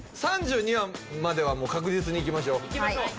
３２まではもう確実にいきましょう。